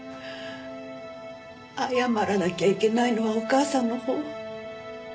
謝らなきゃいけないのはお母さんのほう。